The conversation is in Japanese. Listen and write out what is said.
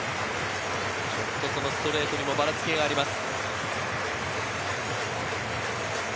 ちょっとストレートにばらつきがあります。